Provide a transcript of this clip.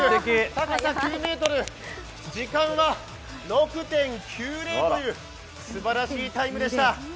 高さ９ｍ、時間は６．９０というすばらしいタイムでした。